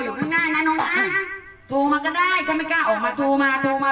พี่รออยู่ข้างหน้านะน้องนะทูมาก็ได้ก็ไม่กล้าออกมาทูมาทูมา